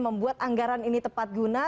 membuat anggaran ini tepat guna